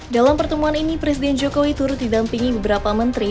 dalam pertemuan ini presiden jokowi turut didampingi beberapa menteri